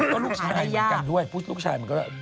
ก็ลูกชายเหมือนกันด้วยลูกชายมันก็